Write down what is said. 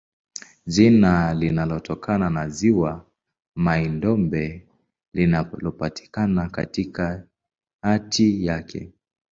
Jina linatokana na ziwa Mai-Ndombe linalopatikana katikati yake.